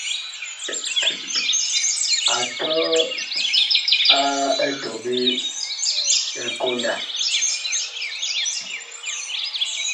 A tɔɔ a etɔɓe ɛ konda.